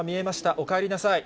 お帰りなさい。